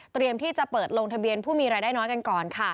ที่จะเปิดลงทะเบียนผู้มีรายได้น้อยกันก่อนค่ะ